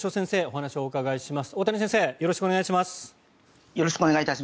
よろしくお願いします。